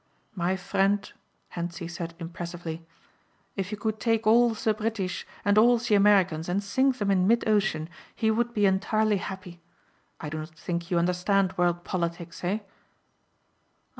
"My friend," Hentzi said impressively, "if he could take all the British and all the Americans and sink them in mid ocean he would be entirely happy. I do not think you understand world politics, eh?"